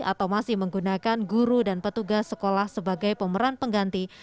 atau masih menggunakan guru dan petugas sekolah sebagai pemeran pengganti